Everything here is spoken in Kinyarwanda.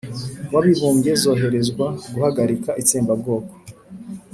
w'abibumbye zoherezwa guhagarika itsembabwoko,